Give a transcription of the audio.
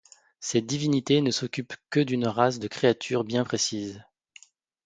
Ces divinités ne s'occupent que d'une race de créatures bien précise.